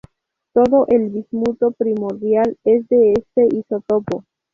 Todo el bismuto primordial es de este isótopo.